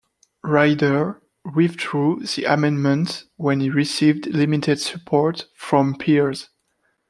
Ryder withdrew the amendment when it received limited support from peers.